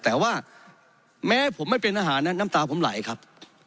แต่ว่าแม้ผมไม่เป็นอาหารนั้นน้ำตาผมไหลครับ